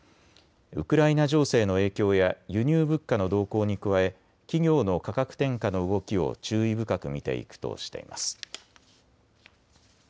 ウクライナ情勢の影響や輸入物価の動向に加え企業の価格転嫁の動きを注意深く見ていくとしています。